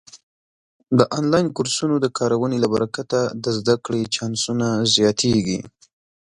د آنلاین کورسونو د کارونې له برکته د زده کړې چانسونه زیاتېږي.